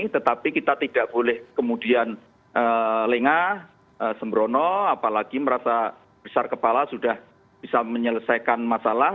tetapi kita tidak boleh kemudian lengah sembrono apalagi merasa besar kepala sudah bisa menyelesaikan masalah